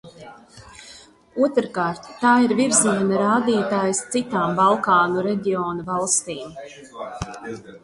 Otrkārt, tā ir virziena rādītājs citām Balkānu reģiona valstīm.